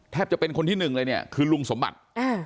จะเป็นคนที่หนึ่งเลยเนี่ยคือลุงสมบัติ